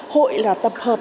hội là tập hợp